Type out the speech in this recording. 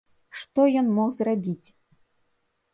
Што ён мог зрабіць?